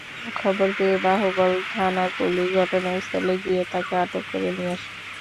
খবর পেয়ে বাহুবল থানার পুলিশ ঘটনাস্থলে গিয়ে তাঁকে আটক করে নিয়ে আসে।